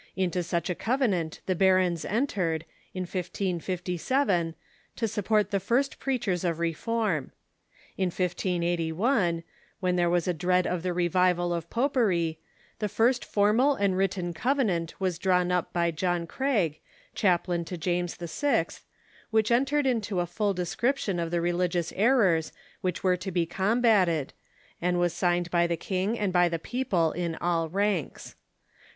Into such a covenant the barons entered, ^^Cor/nantf" ^^ 1^^^' ^^ support the first preachers of Reform. In 1581, when there was a dread of the revival of popery, the first formal and written covenant was drawn up by John Craig, chaplain to James VI., which entered into a full description of the religious errors which were to be com bated, and was signed hy the king and by the people in all ranks.